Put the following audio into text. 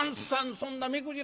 そんな目くじら